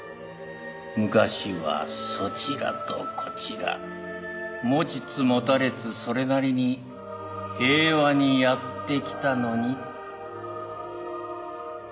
「昔はそちらとこちら持ちつ持たれつそれなりに平和にやってきたのに」。